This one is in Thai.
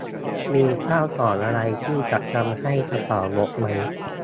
มีข้าวของอะไรที่จะทำให้กระเป๋ารกไหม